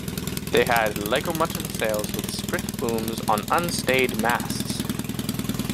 They had leg-o-mutton sails with sprit booms on un-stayed masts.